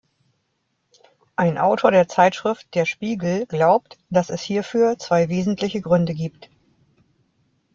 Ein Autor der Zeitschrift „Der Spiegel“ glaubt, dass es hierfür zwei wesentliche Gründe gibt.